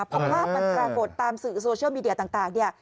เพราะภาพมันกระโกดตามสื่อโซเชียลมีเดียต่าง